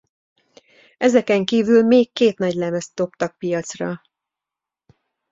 Ezeken kívül még két nagylemezt dobtak piacra.